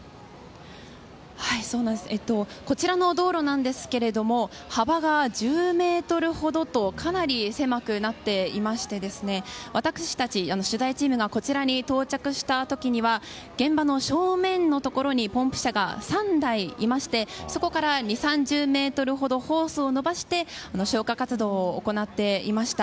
こちらの道路ですが幅が１０ｍほどとかなり狭くなっていまして私たち、取材チームがこちらに到着した時には現場の正面のところにポンプ車が３台いましてそこから２０３０ｍほどホースを伸ばして消火活動を行っていました。